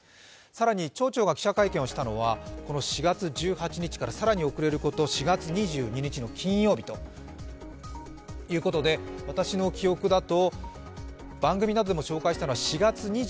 更に町長が記者会見をしたのが４月１８日から更に遅れること４月２２日の金曜日ということで私の記憶だと、番組などでも紹介したのは４月２２日